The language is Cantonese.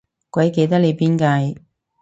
鬼記得你邊屆